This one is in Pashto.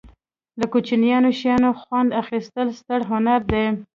له کوچنیو شیانو خوند اخستل ستر هنر دی.